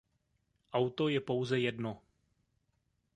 Auto je pouze jedno.